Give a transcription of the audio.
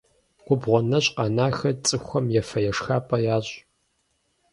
Губгъуэ нэщӏ къэнахэр цӏыхухэм ефэ-ешхапӏэ ящӏ.